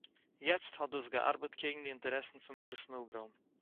יעצט האָט דאָס געאַרבעט קעגן די אינטערעסן פון מרת מילגרוים